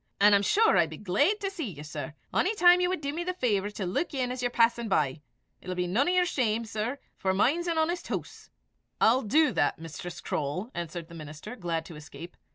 An' I'm sure I'll be glaid to see ye, sir, ony time ye wad dee me the fawvour to luik in as ye're passin' by. It'll be none to yer shame, sir, for mine's an honest hoose." "I'll do that, Mistress Croale," answered the minister, glad to escape.